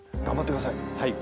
頑張ってください。